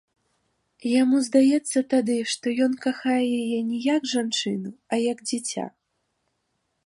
Яму здаецца тады, што ён кахае яе не як жанчыну, а як дзіця.